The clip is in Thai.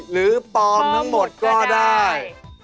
หรือปลอมทั้งหมดก็ได้